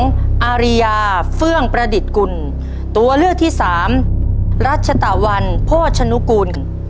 ใครไม่ใช่ผู้ประกาศข่าวของช่องไทรัสทีวี